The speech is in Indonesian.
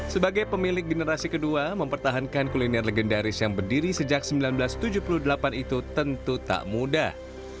sebagai pemilik generasi kedua mempertahankan kuliner legendaris yang berdiri sejak seribu sembilan ratus tujuh puluh delapan itu tentu tak mudah